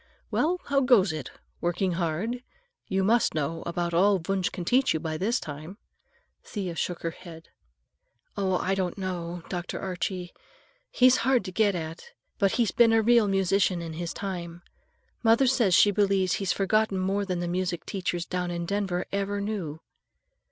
"Well, how goes it? Working hard? You must know about all Wunsch can teach you by this time." Thea shook her head. "Oh, no, I don't, Dr. Archie. He's hard to get at, but he's been a real musician in his time. Mother says she believes he's forgotten more than the music teachers down in Denver ever knew."